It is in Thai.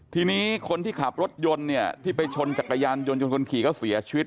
ทีนี้คนที่ขับรถยนต์เนี่ยที่ไปชนจักรยานยนต์จนคนขี่เขาเสียชีวิต